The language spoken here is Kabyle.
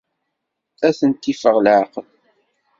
Ad ten-iffeɣ leɛqel.